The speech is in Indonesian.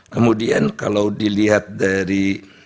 kemudian kalau dilihat dari